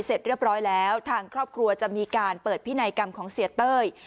เสร็จเรียบร้อยแล้วทางครอบครัวจะมีการเปิดพินัยกรรมของเสียเต้ย